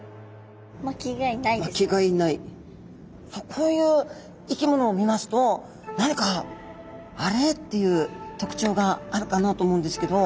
こういう生き物を見ますと何か「あれ？」っていうとくちょうがあるかなと思うんですけど。